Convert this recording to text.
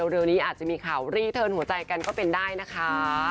เร็วนี้อาจจะมีข่าวรีเทิร์นหัวใจกันก็เป็นได้นะคะ